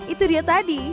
itu dia tadi